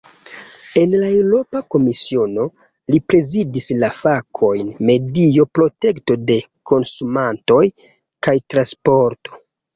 En la Eŭropa Komisiono, li prezidis la fakojn "medio, protekto de konsumantoj kaj transporto".